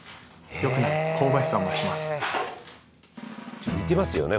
ちょっと似てますよね